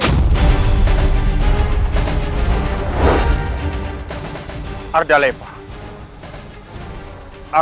setakat kamu bisa conversasi sama fort nida